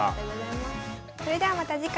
それではまた次回。